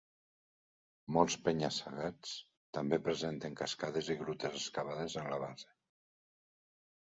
Molts penya-segats també presenten cascades i grutes excavades en la base.